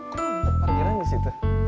kok parkiran di situ